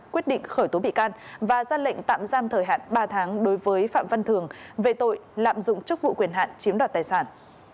quyết định khởi tố bị can và ra lệnh tạm giam thời hạn ba tháng đối với phạm văn thường về tội lạm dụng chức vụ quyền hạn chiếm đoạt tài sản